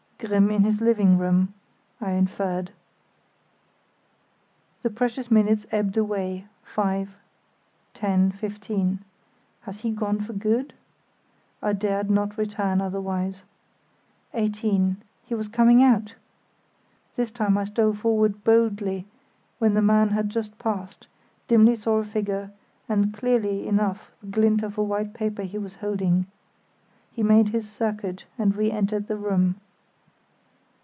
"Grimm in his living room," I inferred. The precious minutes ebbed away—five, ten, fifteen. Had he gone for good? I dared not return otherwise. Eighteen—he was coming out! This time I stole forward boldly when the man had just passed, dimly saw a figure, and clearly enough the glint of a white paper he was holding. He made his circuit and re entered the room.